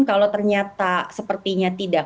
kalau ternyata sepertinya tidak